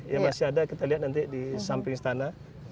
ya masih ada kita lihat nanti di samping istana